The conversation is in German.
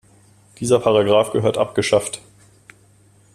Dieser Paragraph gehört abgeschafft!